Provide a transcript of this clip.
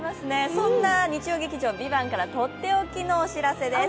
そんな日曜劇場「ＶＩＶＡＮＴ」からとっておきのお知らせです。